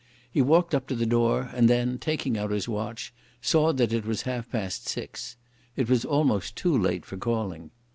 He walked up to the door, and then taking out his watch, saw that it was half past six. It was almost too late for calling.